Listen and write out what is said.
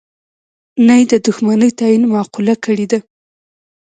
نه یې د دوښمنی تعین معقوله کړې ده.